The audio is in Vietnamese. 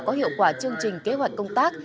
có hiệu quả chương trình kế hoạch công tác